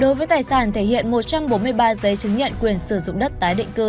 đối với tài sản thể hiện một trăm bốn mươi ba giấy chứng nhận quyền sử dụng đất tái định cư